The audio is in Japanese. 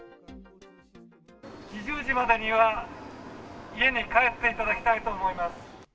２０時までには家に帰っていただきたいと思います。